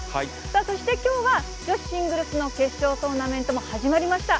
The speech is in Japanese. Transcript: そしてきょうは女子シングルスの決勝トーナメントも始まりました。